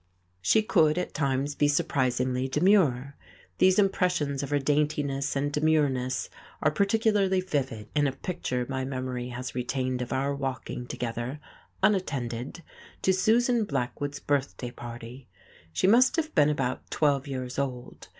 She could, at times, be surprisingly demure. These impressions of her daintiness and demureness are particularly vivid in a picture my memory has retained of our walking together, unattended, to Susan Blackwood's birthday party. She must have been about twelve years old.